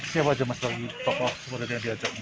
siapa aja mas lagi tokoh yang diajak